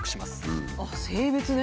あっ性別ね。